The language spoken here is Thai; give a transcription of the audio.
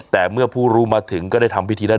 แต่เมื่อผู้รู้มาถึงก็ได้ทำพิธีนั้น